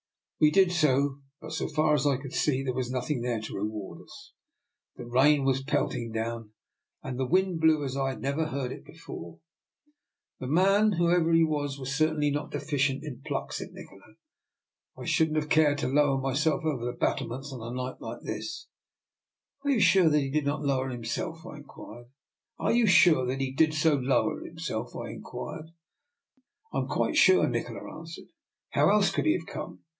We did so, but so far as I could see there was nothing there to reward us. The rain was pelting down, and the wind blew as I had never heard it do before. " The man, whoever he was, was certainly not deficient in pluck," said Nikola. " I shouldn't have cared to lower myself over the battlements on a night like this." " Are you sure that he did so lower him self?" I inquired. " I am quite sure," Nikola answered. " How else could he have come?